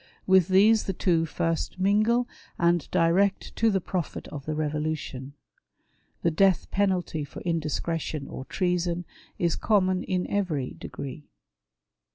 With these tbe two first mingle, and direct to the profit of the Eevolution. The death penalty for indiscretion or treason is common in every degree.